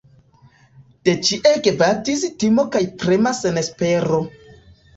De ĉie gvatis timo kaj prema senespero.